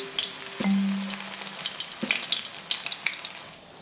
うん。